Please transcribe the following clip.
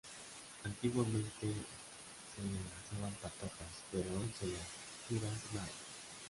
Antiguamente se le lanzaban patatas, pero hoy se le tiran nabos.